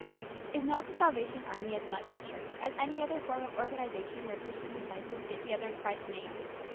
Is not the Salvation Army as much the Church as any other form of organisation where Christian disciples get together in Christ's name